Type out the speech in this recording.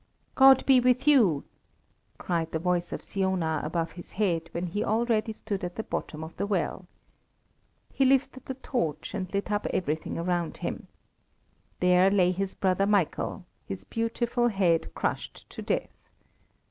"God be with you!" cried the voice of Siona above his head, when he already stood at the bottom of the well. He lifted the torch and lit up everything around him. There lay his brother Michael, his beautiful head crushed to death.